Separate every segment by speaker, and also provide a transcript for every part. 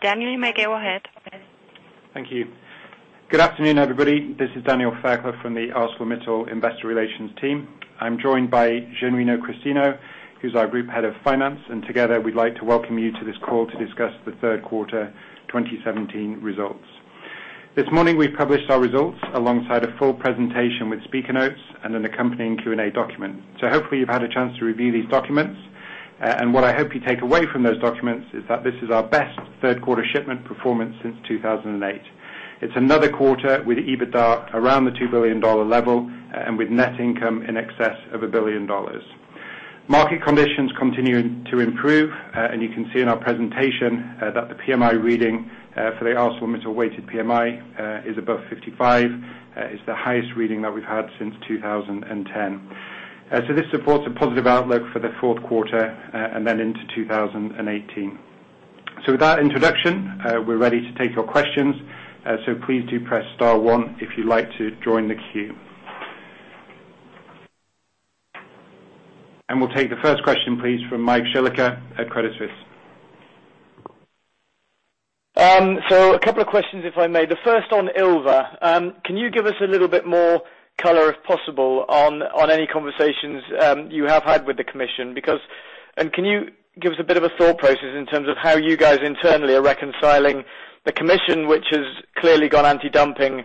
Speaker 1: Daniel, you may go ahead.
Speaker 2: Thank you. Good afternoon, everybody. This is Daniel Fairclough from the ArcelorMittal Investor Relations team. I'm joined by Genuino Christino, who's our Group Head of Finance, and together we'd like to welcome you to this call to discuss the third quarter 2017 results. This morning we published our results alongside a full presentation with speaker notes and an accompanying Q&A document. Hopefully you've had a chance to review these documents. What I hope you take away from those documents is that this is our best third quarter shipment performance since 2008. It's another quarter with EBITDA around the $2 billion level, and with net income in excess of $1 billion. Market conditions continuing to improve, and you can see in our presentation that the PMI reading for the ArcelorMittal weighted PMI is above 55. It's the highest reading that we've had since 2010. This supports a positive outlook for the fourth quarter, and then into 2018. With that introduction, we're ready to take your questions. Please do press star one if you'd like to join the queue. We'll take the first question, please, from Michael Shillaker at Credit Suisse.
Speaker 3: A couple of questions, if I may. The first on Ilva. Can you give us a little bit more color, if possible, on any conversations you have had with the commission? Can you give us a bit of a thought process in terms of how you guys internally are reconciling the commission, which has clearly gone anti-dumping,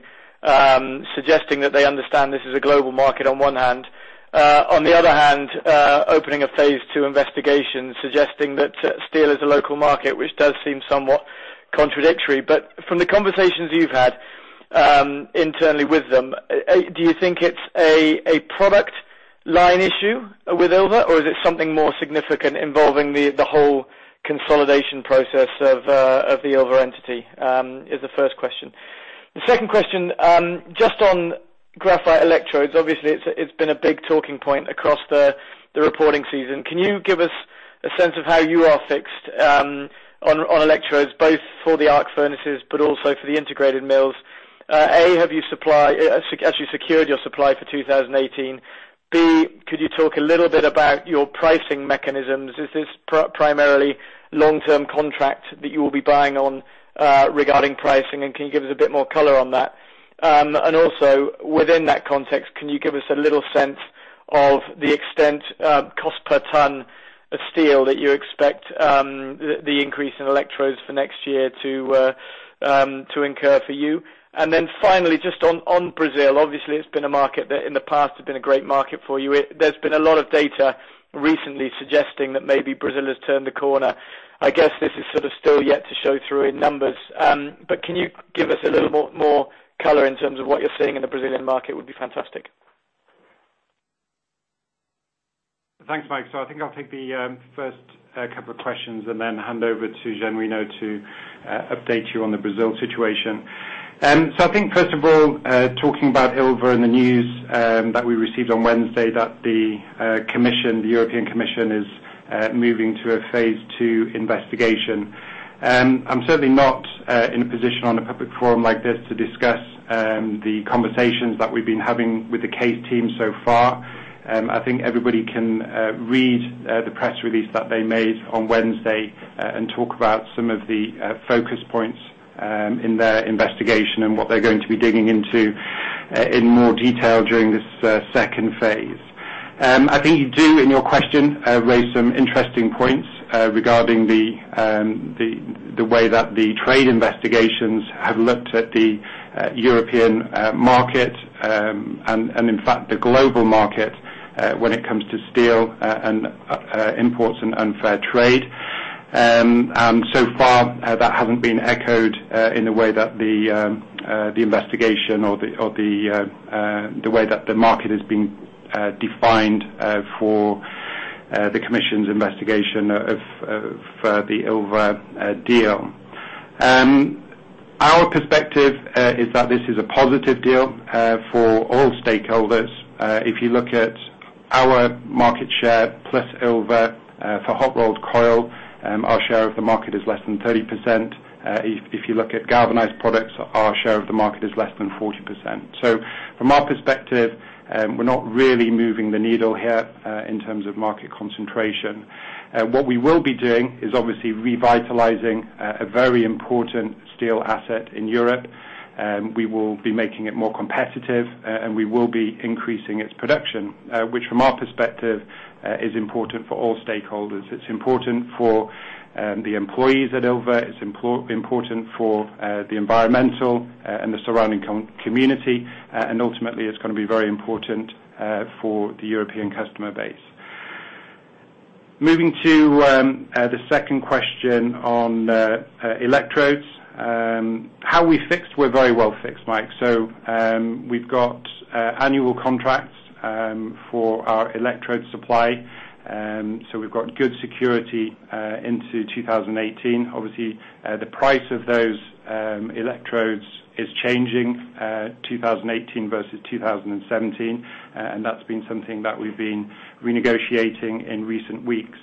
Speaker 3: suggesting that they understand this is a global market on one hand. On the other hand, opening a phase two investigation suggesting that steel is a local market, which does seem somewhat contradictory. From the conversations you've had internally with them, do you think it's a product line issue with Ilva, or is it something more significant involving the whole consolidation process of the Ilva entity? Is the first question. The second question, just on graphite electrodes. Obviously, it's been a big talking point across the reporting season. Can you give us a sense of how you are fixed on electrodes, both for the arc furnaces but also for the integrated mills? A, have you secured your supply for 2018? B, could you talk a little bit about your pricing mechanisms? Is this primarily long-term contract that you will be buying on regarding pricing, and can you give us a bit more color on that? Also within that context, can you give us a little sense of the extent, cost per ton of steel that you expect the increase in electrodes for next year to incur for you? Then finally, just on Brazil. Obviously, it's been a market that in the past has been a great market for you. There's been a lot of data recently suggesting that maybe Brazil has turned a corner. I guess this is sort of still yet to show through in numbers. Can you give us a little more color in terms of what you're seeing in the Brazilian market would be fantastic.
Speaker 2: Thanks, Mike. I think I'll take the first couple of questions and then hand over to Genuino to update you on the Brazil situation. I think first of all, talking about Ilva and the news that we received on Wednesday, that the European Commission is moving to a phase II investigation. I'm certainly not in a position on a public forum like this to discuss the conversations that we've been having with the case team so far. I think everybody can read the press release that they made on Wednesday, and talk about some of the focus points in their investigation and what they're going to be digging into in more detail during this second phase. I think you do, in your question, raise some interesting points regarding the way that the trade investigations have looked at the European market, and in fact, the global market when it comes to steel and imports and unfair trade. So far that hasn't been echoed in the way that the investigation or the way that the market has been defined for the Commission's investigation of the Ilva deal. Our perspective is that this is a positive deal for all stakeholders. If you look at our market share plus Ilva for Hot Rolled Coil, our share of the market is less than 30%. If you look at Galvanized Products, our share of the market is less than 40%. From our perspective, we're not really moving the needle here in terms of market concentration. What we will be doing is obviously revitalizing a very important steel asset in Europe. We will be making it more competitive, we will be increasing its production, which from our perspective is important for all stakeholders. It's important for the employees at Ilva. It's important for the environmental and the surrounding community. Ultimately, it's going to be very important for the European customer base. Moving to the second question on electrodes. How we fixed, we're very well fixed, Mike. We've got annual contracts for our electrode supply. We've got good security into 2018. Obviously, the price of those electrodes is changing 2018 versus 2017. That's been something that we've been renegotiating in recent weeks.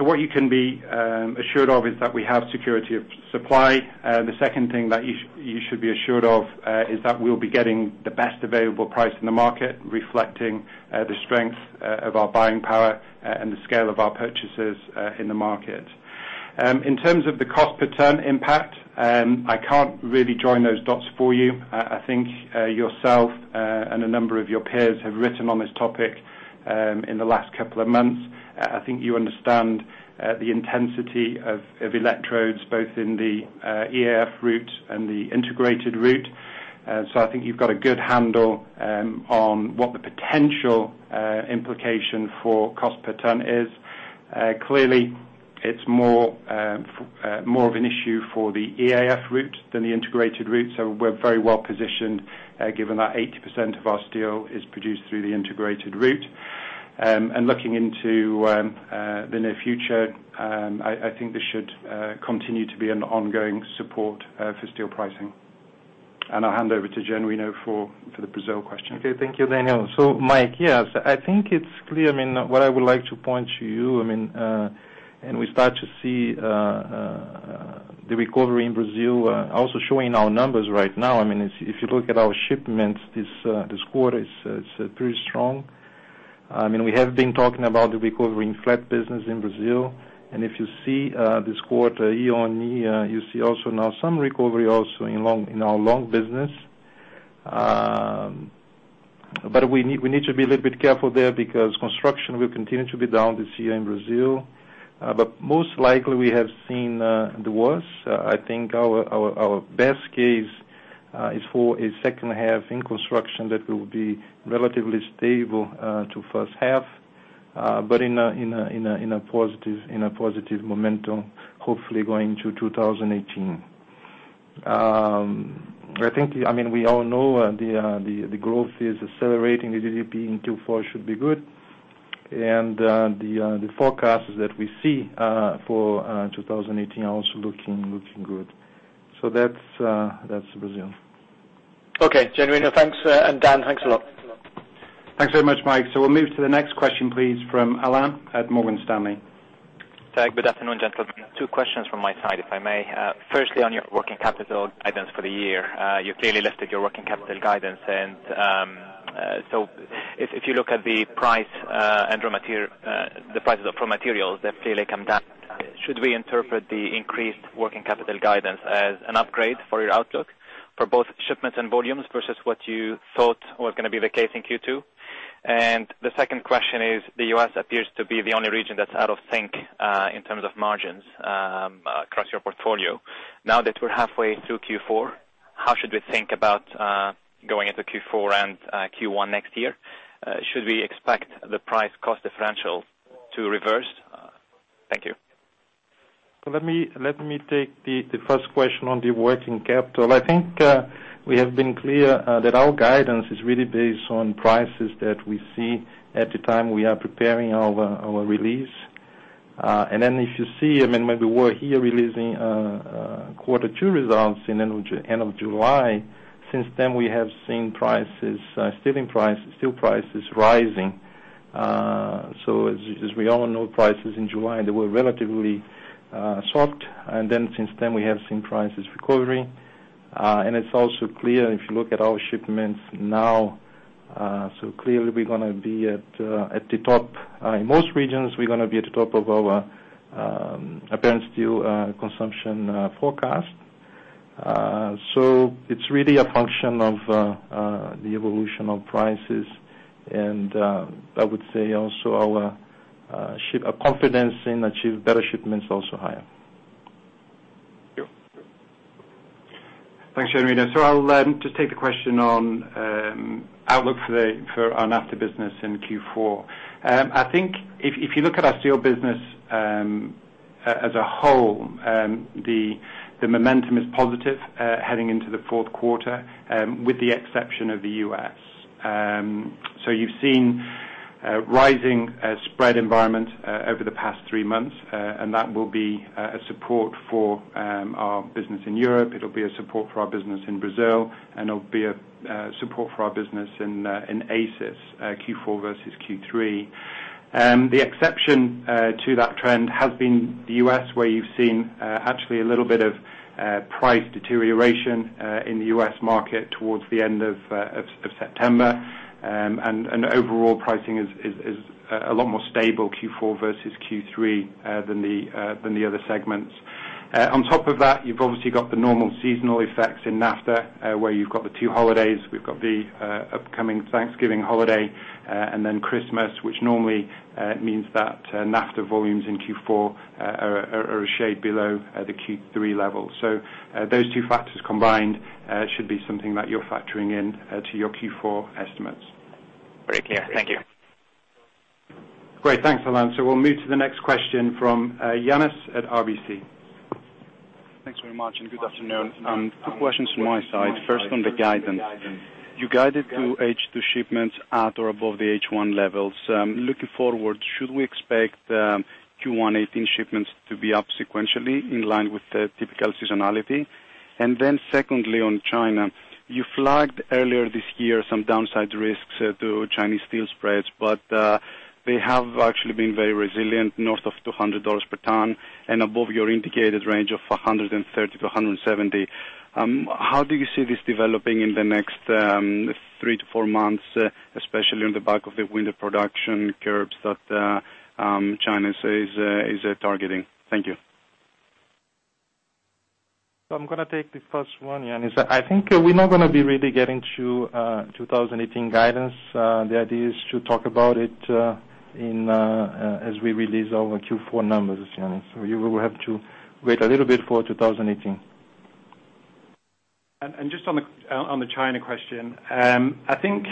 Speaker 2: What you can be assured of is that we have security of supply. The second thing that you should be assured of is that we'll be getting the best available price in the market, reflecting the strength of our buying power and the scale of our purchases in the market. In terms of the cost per ton impact, I can't really join those dots for you. I think yourself and a number of your peers have written on this topic in the last couple of months. I think you understand the intensity of electrodes, both in the EAF route and the integrated route. I think you've got a good handle on what the potential implication for cost per ton is. Clearly, it's more of an issue for the EAF route than the integrated route. We're very well-positioned, given that 80% of our steel is produced through the integrated route. Looking into the near future, I think this should continue to be an ongoing support for steel pricing. I'll hand over to Genuino for the Brazil question.
Speaker 4: Okay. Thank you, Daniel. Mike, yes. I think it's clear what I would like to point to you, we start to see the recovery in Brazil also showing our numbers right now. If you look at our shipments this quarter, it's pretty strong. We have been talking about the recovery in flat business in Brazil. If you see this quarter year-on-year, you see also now some recovery also in our long business. We need to be a little bit careful there because construction will continue to be down this year in Brazil. Most likely, we have seen the worst. I think our best case is for a second half in construction that will be relatively stable to first half, but in a positive momentum, hopefully going to 2018. I think we all know the growth is accelerating. The GDP in Q4 should be good, the forecasts that we see for 2018 are also looking good. That's Brazil.
Speaker 3: Okay, Genuino, thanks. Daniel, thanks a lot.
Speaker 2: Thanks very much, Mike. We'll move to the next question, please, from Alain at Morgan Stanley.
Speaker 5: Good afternoon, gentlemen. Two questions from my side, if I may. Firstly, on your working capital guidance for the year. You clearly listed your working capital guidance, if you look at the prices of raw materials, they've clearly come down. Should we interpret the increased working capital guidance as an upgrade for your outlook for both shipments and volumes versus what you thought was going to be the case in Q2? The second question is, the U.S. appears to be the only region that's out of sync in terms of margins across your portfolio. Now that we're halfway through Q4, how should we think about going into Q4 and Q1 next year? Should we expect the price cost differential to reverse? Thank you.
Speaker 4: Let me take the first question on the working capital. I think we have been clear that our guidance is really based on prices that we see at the time we are preparing our release. If you see, when we were here releasing quarter two results in end of July, since then we have seen steel prices rising. As we all know, prices in July, they were relatively soft, and then since then we have seen prices recovering. It's also clear if you look at our shipments now, clearly we're going to be at the top. In most regions, we're going to be at the top of our apparent steel consumption forecast. It's really a function of the evolution of prices, and I would say also our confidence in achieving better shipments is also higher.
Speaker 5: Thank you.
Speaker 2: Thanks, Gianrino. I'll just take the question on outlook for our NAFTA business in Q4. I think if you look at our steel business as a whole, the momentum is positive heading into the fourth quarter, with the exception of the U.S. You've seen a rising spread environment over the past three months, and that will be a support for our business in Europe, it'll be a support for our business in Brazil, and it'll be a support for our business in ACIS, Q4 versus Q3. The exception to that trend has been the U.S., where you've seen actually a little bit of price deterioration in the U.S. market towards the end of September. Overall pricing is a lot more stable Q4 versus Q3 than the other segments. On top of that, you've obviously got the normal seasonal effects in NAFTA, where you've got the two holidays. We've got the upcoming Thanksgiving holiday, and then Christmas, which normally means that NAFTA volumes in Q4 are a shade below the Q3 levels. Those two factors combined should be something that you're factoring into your Q4 estimates.
Speaker 5: Great. Yeah. Thank you.
Speaker 2: Great. Thanks, Alain. We'll move to the next question from Yannis at RBC.
Speaker 6: Thanks very much, and good afternoon. Two questions from my side. First, on the guidance. You guided to H2 shipments at or above the H1 levels. Looking forward, should we expect Q1 2018 shipments to be up sequentially in line with the typical seasonality? Secondly, on China. You flagged earlier this year some downside risks to Chinese steel spreads, but they have actually been very resilient, north of $200 per ton and above your indicated range of $130-$170. How do you see this developing in the next three to four months, especially on the back of the winter production curbs that China says is targeting? Thank you.
Speaker 4: I'm going to take the first one, Yannis. I think we're not going to be really getting to 2018 guidance. The idea is to talk about it as we release our Q4 numbers, Yannis, you will have to wait a little bit for 2018.
Speaker 2: Just on the China question, I think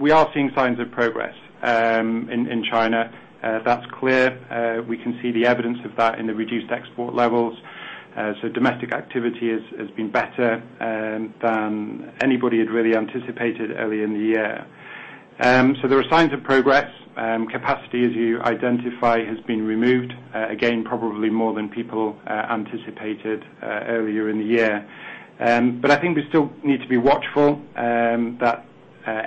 Speaker 2: we are seeing signs of progress in China. That's clear. We can see the evidence of that in the reduced export levels. Domestic activity has been better than anybody had really anticipated early in the year. I think we still need to be watchful that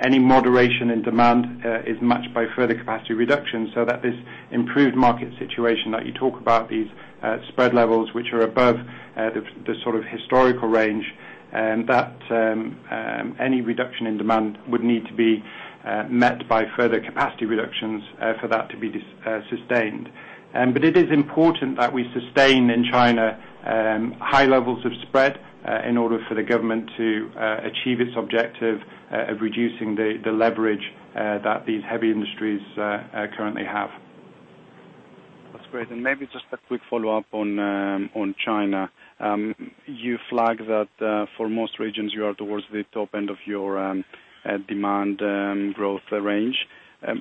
Speaker 2: any moderation in demand is matched by further capacity reductions, so that this improved market situation that you talk about, these spread levels, which are above the sort of historical range, that any reduction in demand would need to be met by further capacity reductions for that to be sustained. It is important that we sustain in China high levels of spread in order for the government to achieve its objective of reducing the leverage that these heavy industries currently have.
Speaker 6: That's great. Maybe just a quick follow-up on China. You flagged that for most regions you are towards the top end of your demand growth range.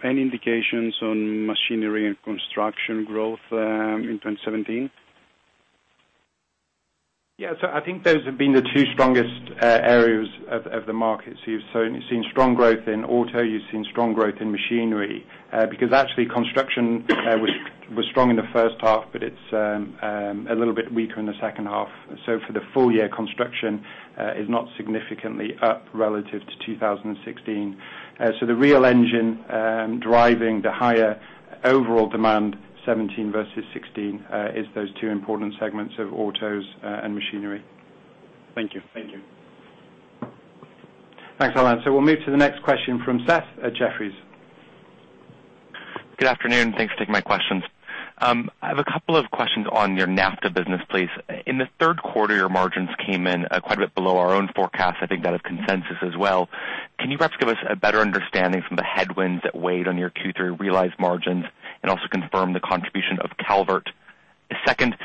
Speaker 6: Any indications on machinery and construction growth in 2017?
Speaker 2: I think those have been the two strongest areas of the market. You've seen strong growth in auto, you've seen strong growth in machinery. Actually, construction was strong in the first half, but it's a little bit weaker in the second half. For the full year, construction is not significantly up relative to 2016. The real engine driving the higher overall demand 2017 versus 2016 is those two important segments of autos and machinery.
Speaker 6: Thank you.
Speaker 2: Thank you. Thanks, Alain. We'll move to the next question from Seth at Jefferies.
Speaker 7: Good afternoon, thanks for taking my questions. I have a couple of questions on your NAFTA business, please. In the third quarter, your margins came in quite a bit below our own forecast. I think that of consensus as well. Can you perhaps give us a better understanding from the headwinds that weighed on your Q3 realized margins, and also confirm the contribution of Calvert? Second,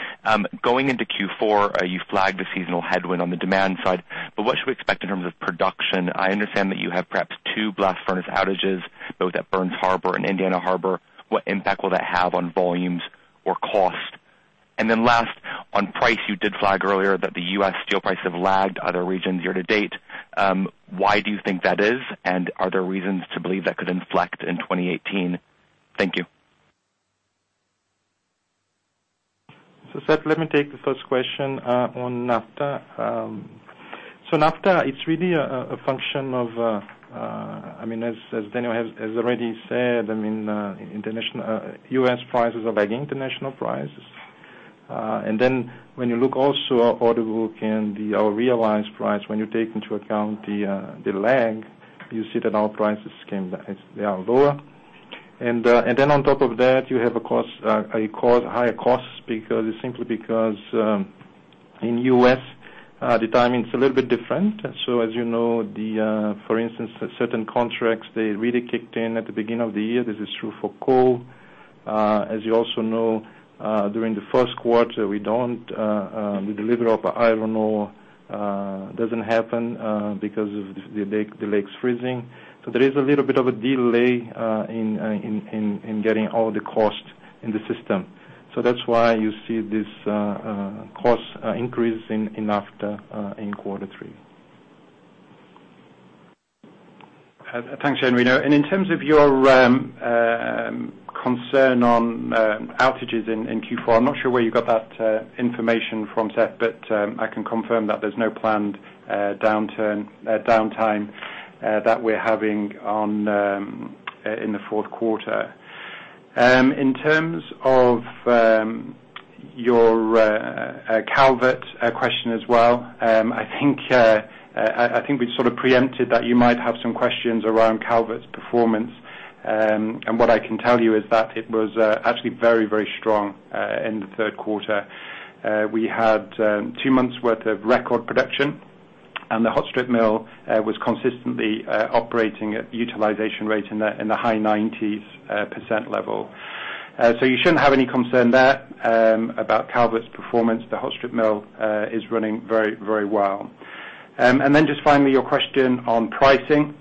Speaker 7: going into Q4, you flagged a seasonal headwind on the demand side, but what should we expect in terms of production? I understand that you have perhaps two blast furnace outages, both at Burns Harbor and Indiana Harbor. What impact will that have on volumes or cost? Last, on price, you did flag earlier that the U.S. steel prices have lagged other regions year to date. Why do you think that is, and are there reasons to believe that could inflect in 2018? Thank you.
Speaker 4: Seth, let me take the first question on NAFTA. NAFTA, it's really a function of, as Daniel has already said, U.S. prices are lagging international prices. When you look also at order book and our realized price, when you take into account the lag, you see that our prices came down. They are lower. On top of that, you have higher costs simply because in U.S., the timing is a little bit different. As you know, for instance, certain contracts, they really kicked in at the beginning of the year. This is true for coal. As you also know, during the first quarter, the delivery of iron ore doesn't happen because of the lakes freezing. There is a little bit of a delay in getting all the cost in the system. That's why you see this cost increase in NAFTA in quarter three.
Speaker 2: Thanks, Genuino. In terms of your concern on outages in Q4, I'm not sure where you got that information from, Seth, but I can confirm that there's no planned downtime that we're having in the fourth quarter. In terms of your Calvert question as well, I think we've sort of preempted that you might have some questions around Calvert's performance. What I can tell you is that it was actually very strong in the third quarter. We had two months worth of record production, and the hot-strip mill was consistently operating at utilization rate in the high 90s% level. You shouldn't have any concern there about Calvert's performance. The hot-strip mill is running very well. Just finally, your question on pricing.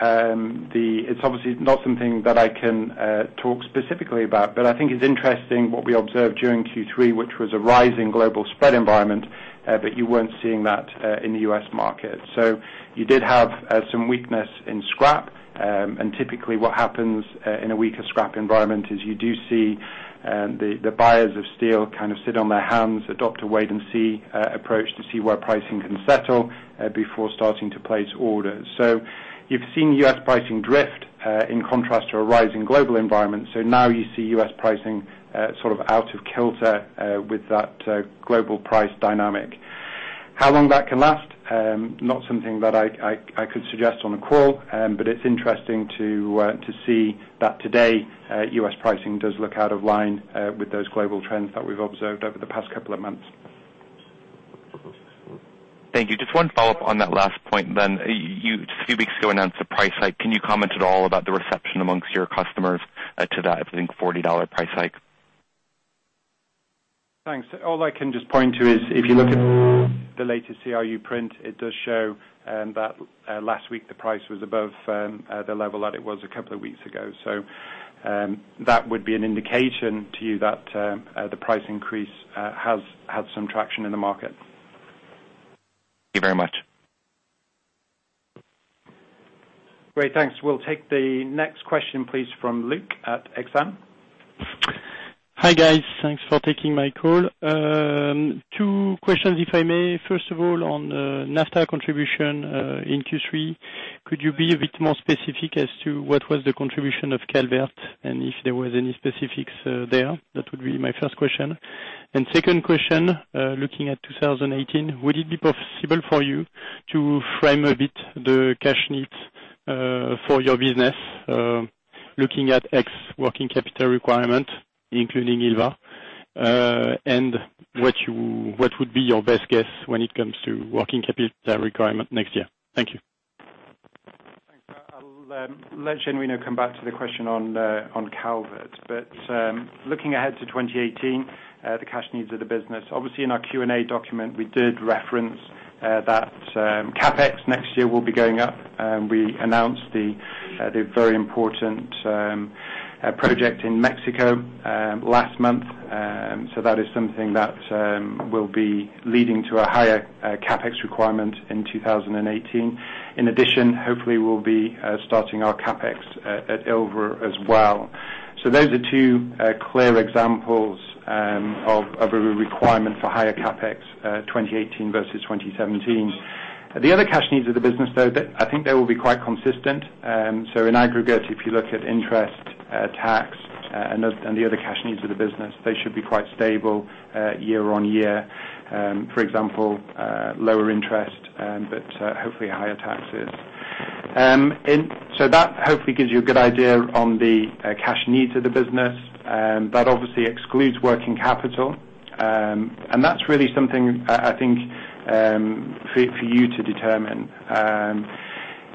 Speaker 2: It's obviously not something that I can talk specifically about, but I think it's interesting what we observed during Q3, which was a rise in global spread environment, but you weren't seeing that in the U.S. market. You did have some weakness in scrap, and typically what happens in a weaker scrap environment is you do see the buyers of steel kind of sit on their hands, adopt a wait-and-see approach to see where pricing can settle before starting to place orders. You've seen U.S. pricing drift in contrast to a rise in global environment. Now you see U.S. pricing sort of out of kilter with that global price dynamic. How long that can last? Not something that I could suggest on the call, but it is interesting to see that today, U.S. pricing does look out of line with those global trends that we've observed over the past couple of months.
Speaker 7: Thank you. Just one follow-up on that last point. You, just a few weeks ago, announced a price hike. Can you comment at all about the reception amongst your customers to that, I think, $40 price hike?
Speaker 2: Thanks. All I can just point to is if you look at the latest CRU print, it does show that last week the price was above the level that it was a couple of weeks ago. That would be an indication to you that the price increase has had some traction in the market.
Speaker 7: Thank you very much.
Speaker 2: Great. Thanks. We'll take the next question, please, from Luc at Exane.
Speaker 8: Hi, guys. Thanks for taking my call. Two questions, if I may. First of all, on NAFTA contribution, in Q3, could you be a bit more specific as to what was the contribution of Calvert and if there was any specifics there? That would be my first question. Second question, looking at 2018, would it be possible for you to frame a bit the cash needs for your business, looking at ex working capital requirement, including Ilva, and what would be your best guess when it comes to working capital requirement next year? Thank you.
Speaker 2: Thanks. I'll let Genuino come back to the question on Calvert. Looking ahead to 2018, the cash needs of the business. Obviously in our Q&A document, we did reference that CapEx next year will be going up. We announced the very important project in Mexico last month. That is something that will be leading to a higher CapEx requirement in 2018. In addition, hopefully we'll be starting our CapEx at Ilva as well. Those are two clear examples of a requirement for higher CapEx 2018 versus 2017. The other cash needs of the business though, I think they will be quite consistent. In aggregate, if you look at interest tax and the other cash needs of the business, they should be quite stable year on year. For example, lower interest, but hopefully higher taxes. That hopefully gives you a good idea on the cash needs of the business. That obviously excludes working capital, and that's really something I think for you to determine.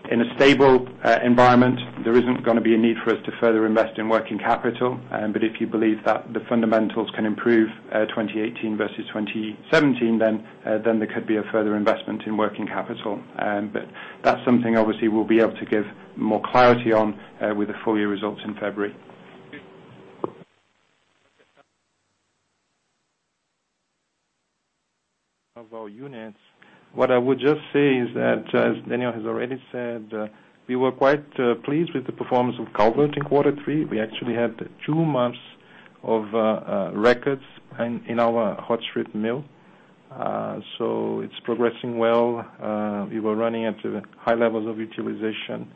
Speaker 2: In a stable environment, there isn't going to be a need for us to further invest in working capital. If you believe that the fundamentals can improve 2018 versus 2017, then there could be a further investment in working capital. That's something obviously we'll be able to give more clarity on with the full year results in February.
Speaker 4: Of our units. What I would just say is that, as Daniel has already said, we were quite pleased with the performance of Calvert in quarter three. We actually had two months of records in our hot-strip mill. It's progressing well. We were running at high levels of utilization.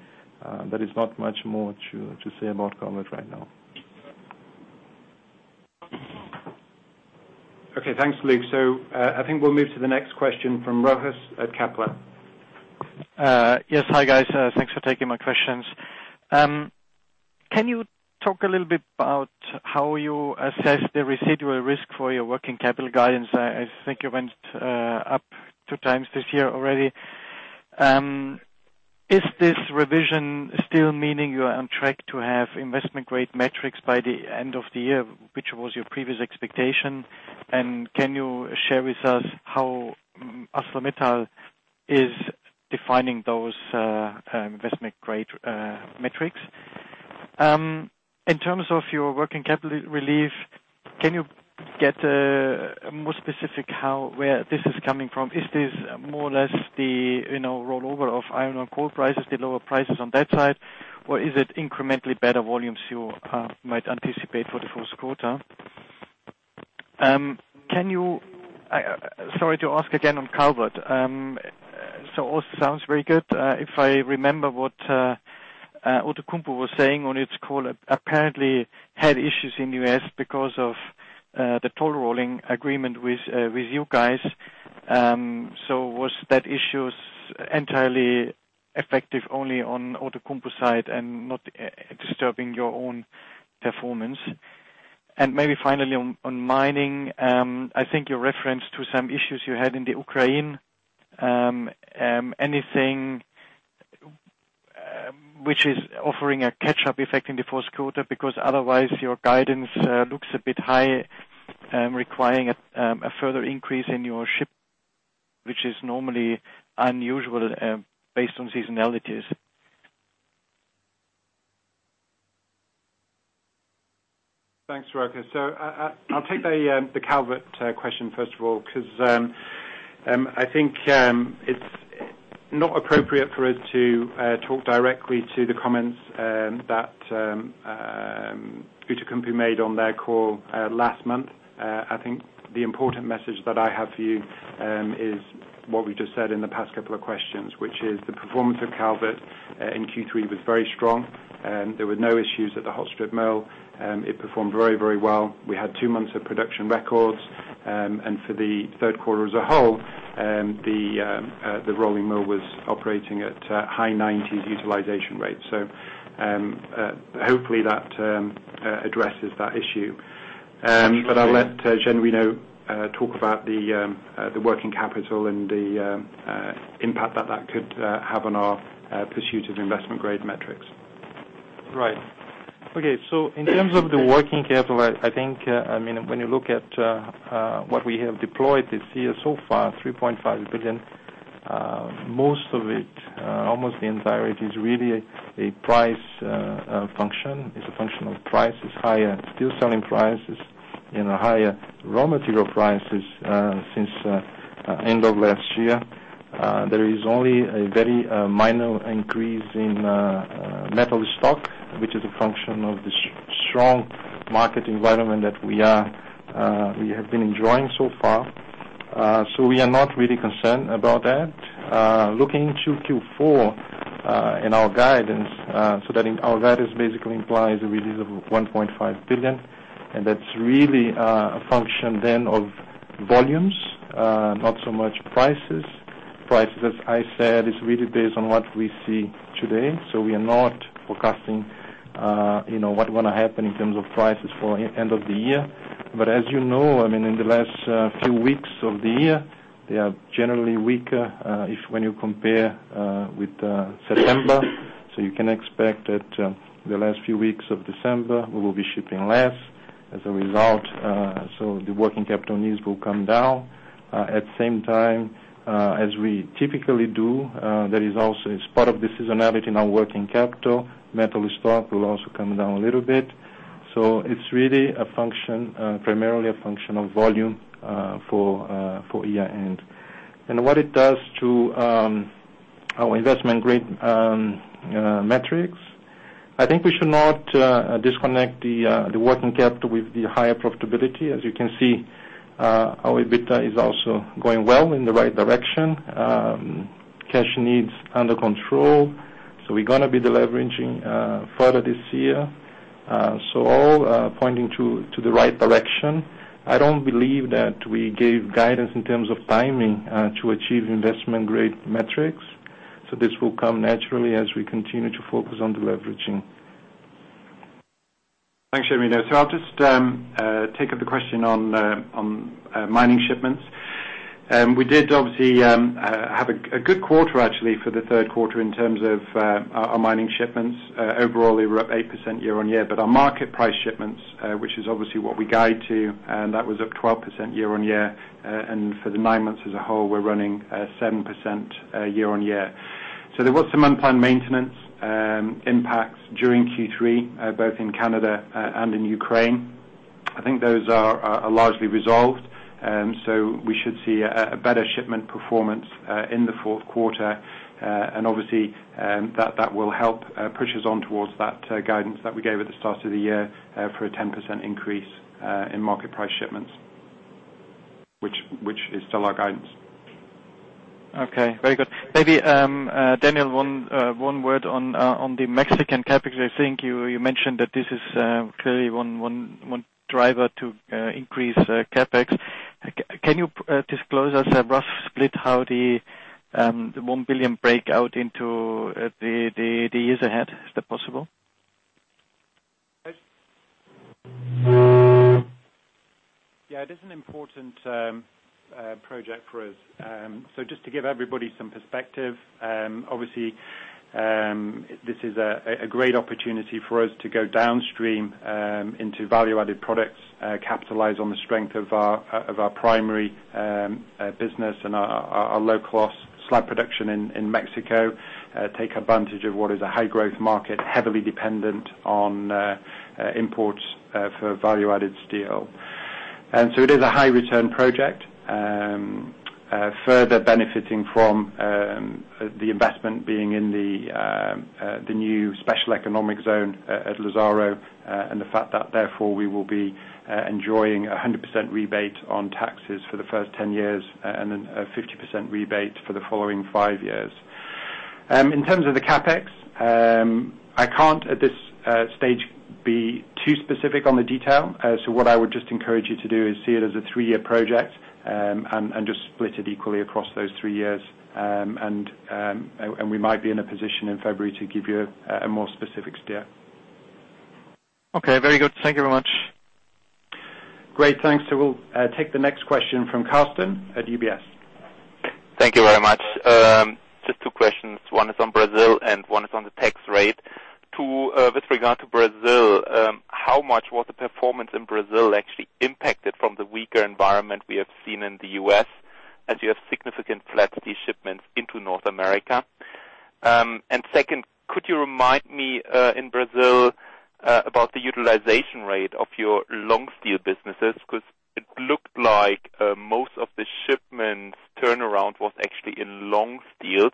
Speaker 4: There is not much more to say about Calvert right now.
Speaker 2: Okay. Thanks, Luc. I think we'll move to the next question from Rochus at Kepler.
Speaker 9: Yes. Hi, guys. Thanks for taking my questions. Can you talk a little bit about how you assess the residual risk for your working capital guidance? I think it went up two times this year already. Is this revision still meaning you are on track to have investment-grade metrics by the end of the year, which was your previous expectation? Can you share with us how ArcelorMittal is defining those investment-grade metrics? In terms of your working capital relief, can you get more specific where this is coming from? Is this more or less the rollover of iron ore coal prices, the lower prices on that side? Is it incrementally better volumes you might anticipate for the first quarter? Sorry to ask again on Calvert. It all sounds very good. If I remember what Outokumpu was saying on its call, apparently had issues in U.S. because of the toll rolling agreement with you guys. Was that issue entirely effective only on Outokumpu's side and not disturbing your own performance? Maybe finally on mining. I think your reference to some issues you had in the Ukraine. Anything which is offering a catch-up effect in the first quarter? Because otherwise your guidance looks a bit high, requiring a further increase in your shipments, which is normally unusual based on seasonalities.
Speaker 2: Thanks, Rochus. I'll take the Calvert question first of all, because I think it's not appropriate for us to talk directly to the comments that Outokumpu made on their call last month. I think the important message that I have for you is what we've just said in the past couple of questions, which is the performance of ArcelorMittal Calvert in Q3 was very strong. There were no issues at the hot-strip mill. It performed very well. We had two months of production records. For the third quarter as a whole, the rolling mill was operating at high 90s utilization rates. Hopefully that addresses that issue. I'll let Genuino talk about the working capital and the impact that that could have on our pursuit of investment-grade metrics.
Speaker 4: Right. Okay. In terms of the working capital, I think when you look at what we have deployed this year so far, $3.5 billion, most of it almost the entirety is really a price function. It's a function of prices, higher steel selling prices, and higher raw material prices since end of last year. There is only a very minor increase in metal stock, which is a function of the strong market environment that we have been enjoying so far. We are not really concerned about that. Looking to Q4 in our guidance, that our guidance basically implies a release of $1.5 billion, and that's really a function then of volumes not so much prices. Prices, as I said, is really based on what we see today. We are not forecasting what is going to happen in terms of prices for end of the year. As you know, in the last few weeks of the year, they are generally weaker if when you compare with September. You can expect that the last few weeks of December, we will be shipping less as a result, so the working capital needs will come down. At the same time, as we typically do, there is also as part of the seasonality in our working capital, metal stock will also come down a little bit. It's really primarily a function of volume for year end. What it does to our investment-grade metrics, I think we should not disconnect the working capital with the higher profitability. As you can see, our EBITDA is also going well in the right direction. Cash needs under control. We're going to be deleveraging further this year. All pointing to the right direction. I don't believe that we gave guidance in terms of timing to achieve investment-grade metrics. This will come naturally as we continue to focus on deleveraging.
Speaker 2: Thanks, Gianrino. I'll just take up the question on mining shipments. We did obviously have a good quarter, actually, for the third quarter in terms of our mining shipments. Overall, we were up 8% year-on-year, our market price shipments, which is obviously what we guide to, that was up 12% year-on-year. For the nine months as a whole, we're running at 7% year-on-year. There was some unplanned maintenance impacts during Q3, both in Canada and in Ukraine. I think those are largely resolved. We should see a better shipment performance in the fourth quarter. Obviously, that will help push us on towards that guidance that we gave at the start of the year for a 10% increase in market price shipments, which is still our guidance.
Speaker 9: Okay, very good. Maybe, Daniel, one word on the Mexican CapEx. I think you mentioned that this is clearly one driver to increase CapEx. Can you disclose us a rough split how the $1 billion break out into the years ahead? Is that possible?
Speaker 2: It is an important project for us. Just to give everybody some perspective, obviously, this is a great opportunity for us to go downstream into value-added products, capitalize on the strength of our primary business and our low-cost slab production in Mexico, take advantage of what is a high-growth market, heavily dependent on imports for value-added steel. It is a high-return project, further benefiting from the investment being in the new special economic zone at Lázaro Cárdenas, and the fact that therefore we will be enjoying 100% rebate on taxes for the first 10 years and then a 50% rebate for the following five years. In terms of the CapEx, I can't at this stage be too specific on the detail. What I would just encourage you to do is see it as a three-year project and just split it equally across those three years. We might be in a position in February to give you a more specific steer.
Speaker 9: Okay, very good. Thank you very much.
Speaker 2: Great. Thanks. We'll take the next question from Carsten at UBS.
Speaker 10: Thank you very much. Just two questions. One is on Brazil and one is on the tax rate. With regard to Brazil, how much was the performance in Brazil actually impacted from the weaker environment we have seen in the U.S. as you have significant flat steel shipments into North America? And second, could you remind me in Brazil about the utilization rate of your long steel businesses? Because it looked like most of the shipments turnaround was actually in long steels,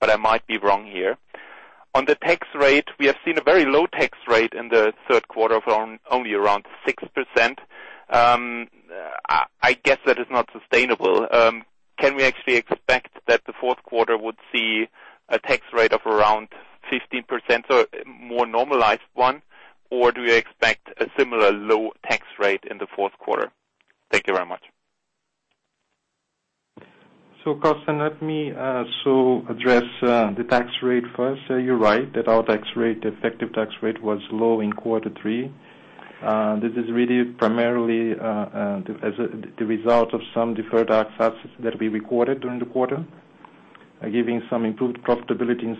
Speaker 10: but I might be wrong here. On the tax rate, we have seen a very low tax rate in the third quarter from only around 6%. I guess that is not sustainable. Can we actually expect that the fourth quarter would see a tax rate of around 15% or more normalized one? Or do you expect a similar low tax rate in the fourth quarter? Thank you very much.
Speaker 4: Carsten, let me address the tax rate first. You're right that our effective tax rate was low in quarter three. This is really primarily the result of some deferred tax assets that we recorded during the quarter, giving some improved profitability in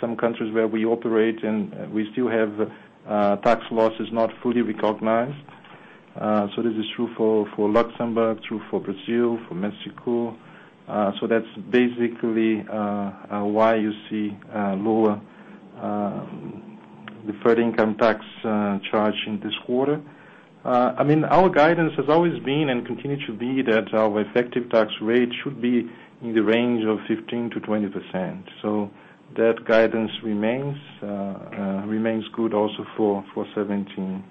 Speaker 4: some countries where we operate, and we still have tax losses not fully recognized. This is true for Luxembourg, true for Brazil, for Mexico. That's basically why you see lower deferred income tax charge in this quarter. Our guidance has always been and continue to be that our effective tax rate should be in the range of 15%-20%. That guidance remains good also for 2017.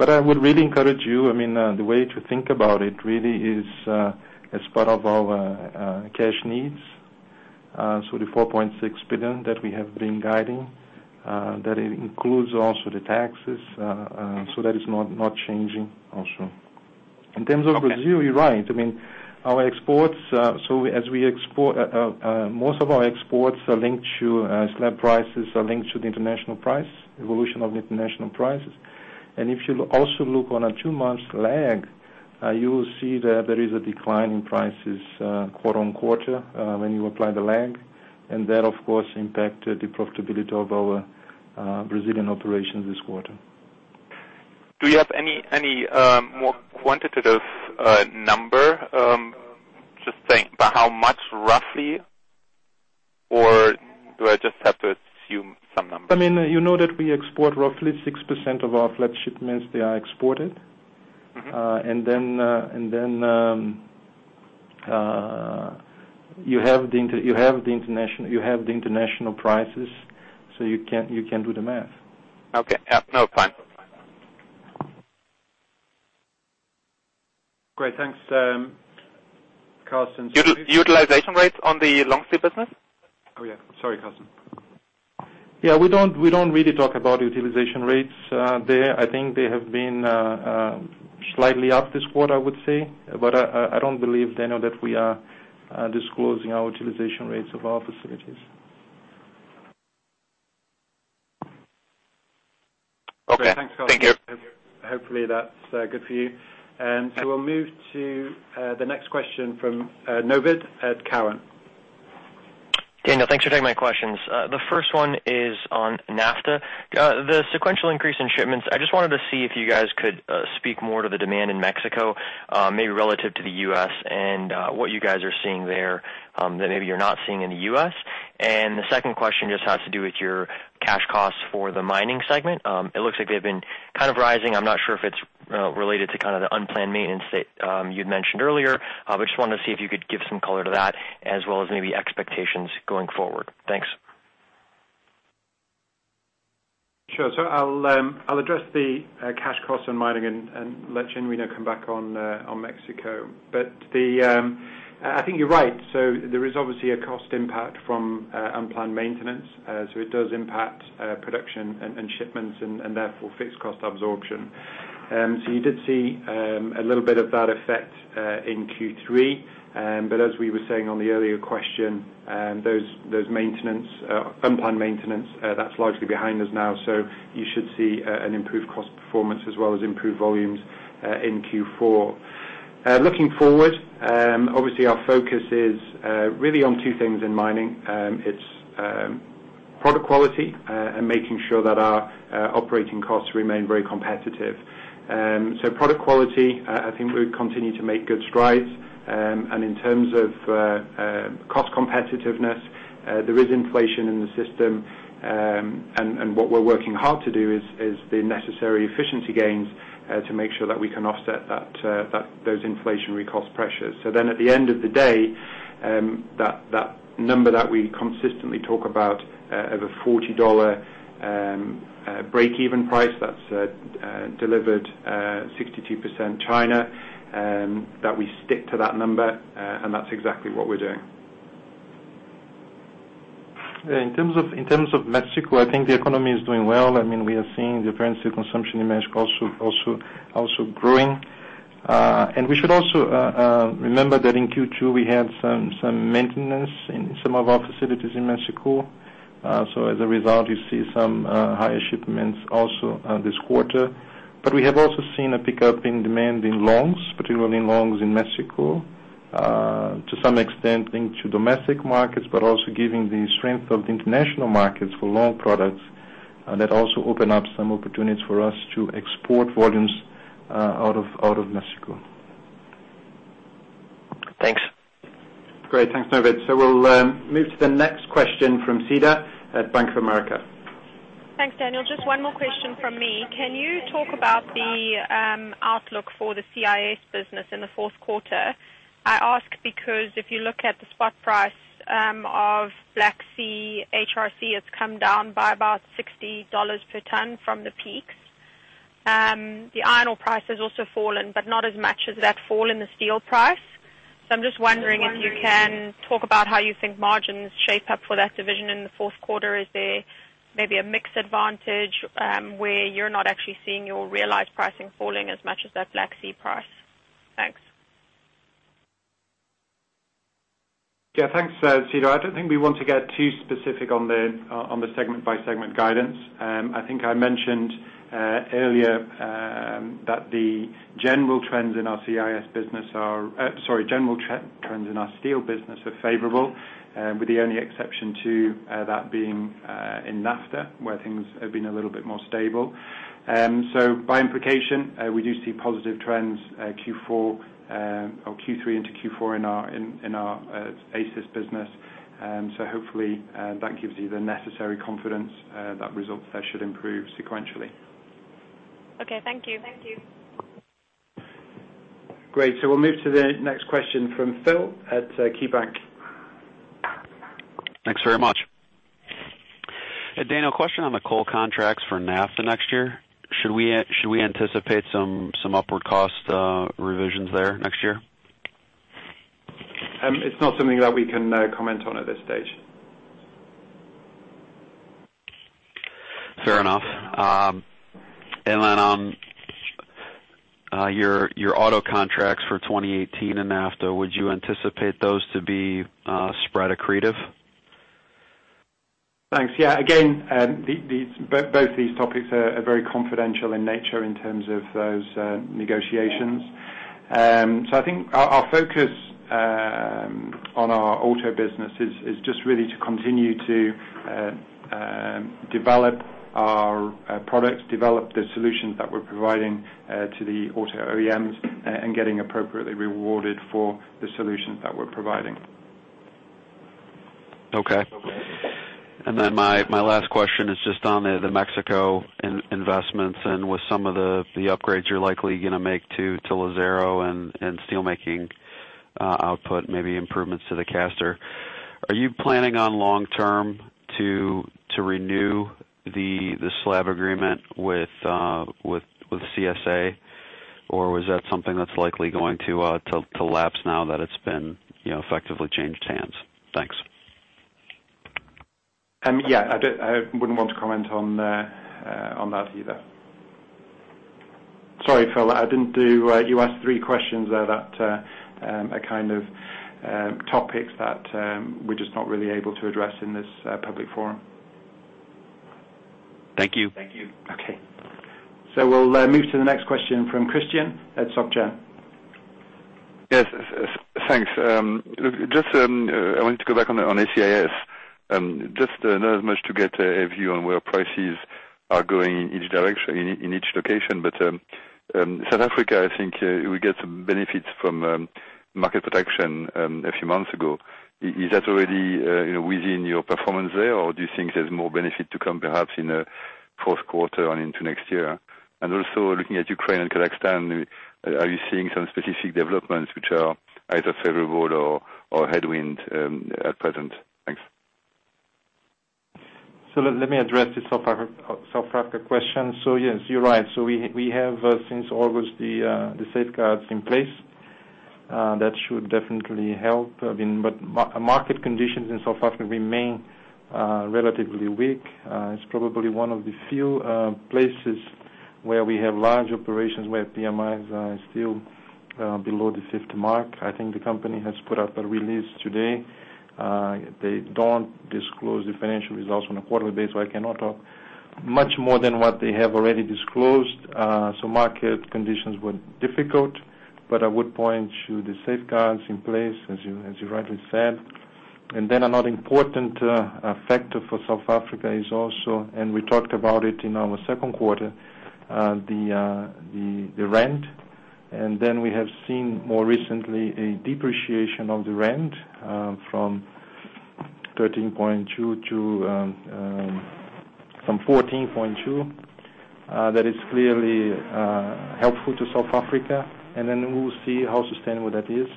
Speaker 4: I would really encourage you, the way to think about it really is as part of our cash needs. The $4.6 billion that we have been guiding, that includes also the taxes. That is not changing also. In terms of Brazil, you're right. Most of our exports are linked to slab prices, are linked to the international price, evolution of international prices. If you also look on a two-month lag, you will see that there is a decline in prices quarter-on-quarter when you apply the lag, and that, of course, impacted the profitability of our Brazilian operations this quarter.
Speaker 10: Do you have any more quantitative number? Just saying, by how much roughly, or do I just have to assume some numbers?
Speaker 4: You know that we export roughly 6% of our flat shipments, they are exported. You have the international prices, so you can do the math.
Speaker 10: Okay. Yeah, no, fine.
Speaker 2: Great. Thanks, Carsten.
Speaker 10: Utilization rates on the long steel business?
Speaker 2: Oh, yeah. Sorry, Carsten.
Speaker 4: Yeah, we don't really talk about utilization rates there. I think they have been slightly up this quarter, I would say. I don't believe, Daniel, that we are disclosing our utilization rates of our facilities.
Speaker 10: Okay. Thank you.
Speaker 2: Hopefully that's good for you. We'll move to the next question from Novid at Cowen.
Speaker 11: Daniel, thanks for taking my questions. The first one is on NAFTA. The sequential increase in shipments, I just wanted to see if you guys could speak more to the demand in Mexico maybe relative to the U.S. and what you guys are seeing there that maybe you're not seeing in the U.S. The second question just has to do with your cash costs for the mining segment. It looks like they've been kind of rising. I'm not sure if it's related to kind of the unplanned maintenance that you'd mentioned earlier, but just wanted to see if you could give some color to that as well as maybe expectations going forward. Thanks.
Speaker 2: Sure. I'll address the cash cost on mining and let Genuino come back on Mexico. I think you're right. There is obviously a cost impact from unplanned maintenance. It does impact production and shipments and therefore fixed cost absorption. You did see a little bit of that effect in Q3. As we were saying on the earlier question, those unplanned maintenance, that's largely behind us now. You should see an improved cost performance as well as improved volumes in Q4. Looking forward, obviously our focus is really on two things in mining. It's product quality and making sure that our operating costs remain very competitive. Product quality, I think we've continued to make good strides. In terms of cost competitiveness, there is inflation in the system. What we're working hard to do is the necessary efficiency gains to make sure that we can offset those inflationary cost pressures. At the end of the day, that number that we consistently talk about of a $40 breakeven price that's delivered 62% China, that we stick to that number, that's exactly what we're doing.
Speaker 4: In terms of Mexico, I think the economy is doing well. We are seeing the appearance of consumption in Mexico also growing. We should also remember that in Q2, we had some maintenance in some of our facilities in Mexico. As a result, you see some higher shipments also this quarter. We have also seen a pickup in demand in longs, particularly in longs in Mexico, to some extent into domestic markets, but also giving the strength of the international markets for long products that also open up some opportunities for us to export volumes out of Mexico.
Speaker 11: Thanks.
Speaker 2: Great, thanks, Novid. We'll move to the next question from Sida at Bank of America.
Speaker 12: Thanks, Daniel. Just one more question from me. Can you talk about the outlook for the CIS business in the fourth quarter? I ask because if you look at the spot price of Black Sea HRC, it's come down by about $60 per ton from the peak. The iron ore price has also fallen, but not as much as that fall in the steel price. I'm just wondering if you can talk about how you think margins shape up for that division in the fourth quarter. Is there maybe a mix advantage, where you're not actually seeing your realized pricing falling as much as that Black Sea price? Thanks.
Speaker 2: Yeah, thanks, Sida. I don't think we want to get too specific on the segment by segment guidance. I think I mentioned earlier that the general trends in our steel business are favorable. With the only exception to that being in NAFTA, where things have been a little bit more stable. By implication, we do see positive trends Q3 into Q4 in our ACIS business. Hopefully that gives you the necessary confidence that results there should improve sequentially.
Speaker 12: Okay. Thank you.
Speaker 2: Great. We'll move to the next question from Phil at KeyBanc.
Speaker 13: Thanks very much. Daniel, question on the coal contracts for NAFTA next year. Should we anticipate some upward cost revisions there next year?
Speaker 2: It's not something that we can comment on at this stage.
Speaker 13: Fair enough. On your auto contracts for 2018 and NAFTA, would you anticipate those to be spread accretive?
Speaker 2: Thanks. Yeah. Both these topics are very confidential in nature in terms of those negotiations. I think our focus on our auto business is just really to continue to develop our products, develop the solutions that we're providing to the auto OEMs, and getting appropriately rewarded for the solutions that we're providing.
Speaker 13: Okay. My last question is just on the Mexico investments and with some of the upgrades you're likely gonna make to Lázaro and steel making output, maybe improvements to the caster. Are you planning on long-term to renew the slab agreement with CSA? Was that something that's likely going to lapse now that it's been effectively changed hands? Thanks.
Speaker 2: Yeah, I wouldn't want to comment on that either. Sorry, Phil, you asked three questions there that are topics that we're just not really able to address in this public forum.
Speaker 13: Thank you.
Speaker 2: Okay. We'll move to the next question from Christian at SocGen.
Speaker 14: Yes. Thanks. I wanted to go back on ACIS. Just not as much to get a view on where prices are going in each location, South Africa, I think we get some benefits from market protection a few months ago. Is that already within your performance there, or do you think there's more benefit to come, perhaps in the fourth quarter and into next year? Also looking at Ukraine and Kazakhstan, are you seeing some specific developments which are either favorable or headwind at present? Thanks.
Speaker 4: Let me address the South Africa question. Yes, you're right. We have, since August, the safeguards in place. That should definitely help. Market conditions in South Africa remain relatively weak. It's probably one of the few places where we have large operations where PMIs are still below the 50 mark. I think the company has put out a release today. They don't disclose the financial results on a quarterly basis, I cannot talk much more than what they have already disclosed. Market conditions were difficult, but I would point to the safeguards in place, as you rightly said. Then another important factor for South Africa is also, and we talked about it in our second quarter, the rand. Then we have seen more recently a depreciation of the rand from 14.2. That is clearly helpful to South Africa, and then we will see how sustainable that is.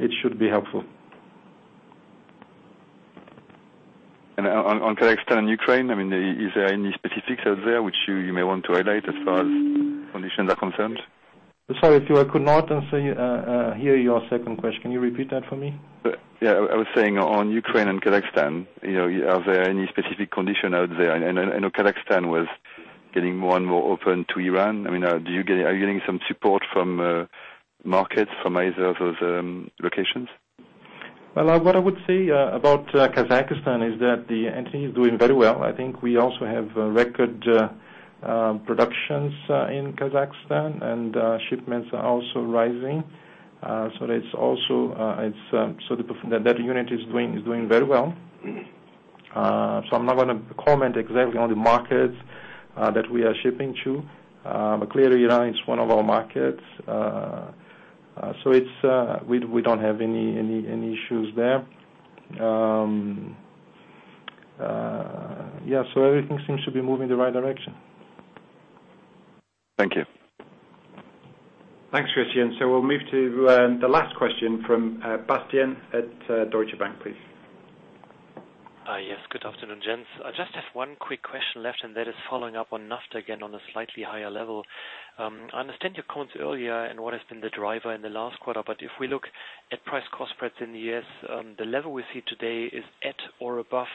Speaker 4: It should be helpful.
Speaker 14: On Kazakhstan and Ukraine, is there any specifics out there which you may want to highlight as far as conditions are concerned?
Speaker 4: Sorry, I could not hear your second question. Can you repeat that for me?
Speaker 14: Yeah. I was saying on Ukraine and Kazakhstan, are there any specific condition out there? I know Kazakhstan was getting more and more open to Iran. Are you getting some support from markets from either of those locations?
Speaker 4: Well, what I would say about Kazakhstan is that the entity is doing very well. I think we also have record productions in Kazakhstan, and shipments are also rising. That unit is doing very well. I'm not gonna comment exactly on the markets that we are shipping to. But clearly Iran is one of our markets. We don't have any issues there. Yeah, everything seems to be moving in the right direction.
Speaker 14: Thank you.
Speaker 2: Thanks, Christian. We'll move to the last question from Bastian at Deutsche Bank, please.
Speaker 15: Yes. Good afternoon, gents. I just have one quick question left, and that is following up on NAFTA again on a slightly higher level. I understand your comments earlier and what has been the driver in the last quarter, but if we look at price cost spreads in the U.S., the level we see today is at or above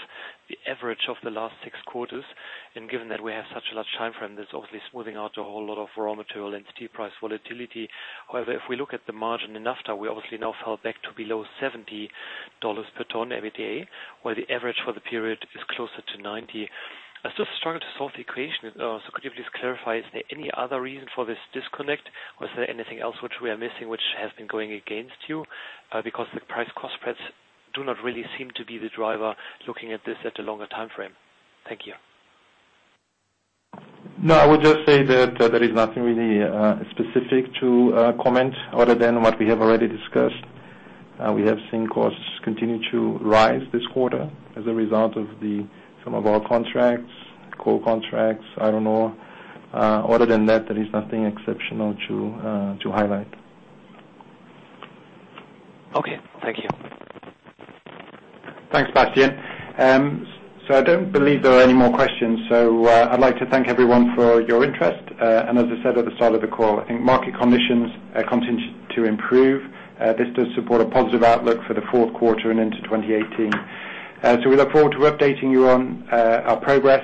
Speaker 15: the average of the last six quarters. Given that we have such a large timeframe, that's obviously smoothing out a whole lot of raw material and steel price volatility. However, if we look at the margin in NAFTA, we obviously now fell back to below $70 per ton, EBITDA, where the average for the period is closer to 90. I still struggle to solve the equation. Could you please clarify, is there any other reason for this disconnect, or is there anything else which we are missing which has been going against you? Because the price cost spreads do not really seem to be the driver looking at this at a longer timeframe. Thank you.
Speaker 4: No, I would just say that there is nothing really specific to comment other than what we have already discussed. We have seen costs continue to rise this quarter as a result of some of our contracts, coal contracts. I don't know. Other than that, there is nothing exceptional to highlight.
Speaker 15: Okay. Thank you.
Speaker 2: Thanks, Bastian. I don't believe there are any more questions. I'd like to thank everyone for your interest. As I said at the start of the call, I think market conditions continue to improve. This does support a positive outlook for the fourth quarter and into 2018. We look forward to updating you on our progress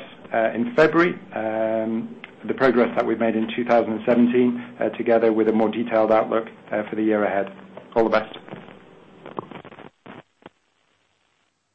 Speaker 2: in February, the progress that we've made in 2017, together with a more detailed outlook for the year ahead. All the best.